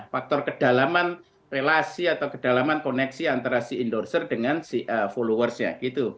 faktor kedalaman relasi atau kedalaman koneksi antara si endorser dengan si followersnya gitu